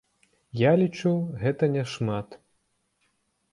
Я лічу, гэта няшмат.